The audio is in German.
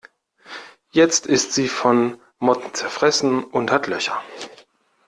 Jetzt ist sie von Motten zerfressen und hat Löcher.